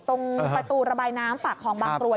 ตรงประตูระบายน้ำปากคลองบางกรวย